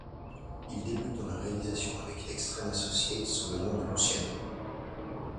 Il débute dans la réalisation avec Extreme Associates sous le nom de Luciano.